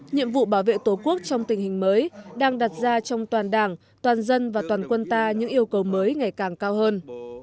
nhiệm vụ bảo vệ tổ quốc trong tình hình mới đang đặt ra trong toàn đảng toàn dân và toàn quân ta những yêu cầu mới ngày càng cao hơn